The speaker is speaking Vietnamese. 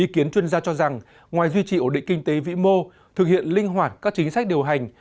ý kiến chuyên gia cho rằng ngoài duy trì ổ định kinh tế vĩ mô thực hiện linh hoạt các chính sách điều hành